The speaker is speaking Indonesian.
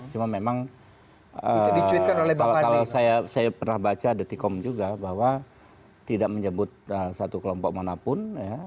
cuma memang kalau saya pernah baca detikkom juga bahwa tidak menyebut satu kelompok manapun